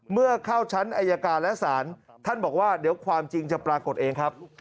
เมื่อเข้าชั้นอายการและศาลท่านบอกว่าเดี๋ยวความจริงจะปรากฏเองครับ